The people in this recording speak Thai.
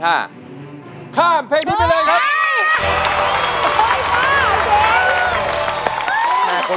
ข้ามเพลงนี้ไปเลยครับ